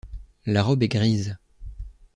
La robe est grise.